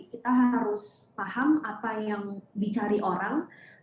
kita harus paham apa yang dicari orang